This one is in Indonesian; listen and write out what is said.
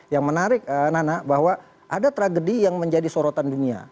yang menarik nana bahwa ada tragedi yang menjadi sorotan dunia